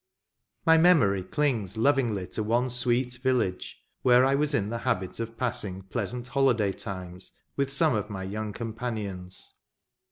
My memory clings lovingly to one sweet village, where I was in the habit of passing pleasant holiday times with some of my young companions.